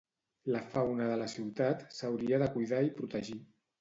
La fauna de la ciutat s'hauria de cuidar i protegir